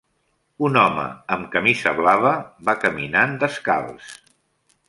Un home amb camisa blava va caminant descalç.